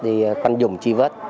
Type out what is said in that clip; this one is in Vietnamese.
để mình không dùng chi vết